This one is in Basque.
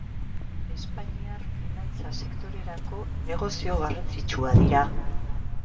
Espainiar finantza sektorerako negozio garrantzitsua dira.